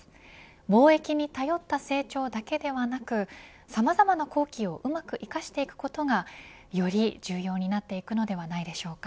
貿易に頼った成長だけではなくさまざまな好機をうまく生かしていくことはより重要になっていくのではないでしょうか。